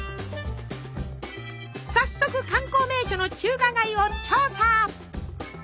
早速観光名所の中華街を調査！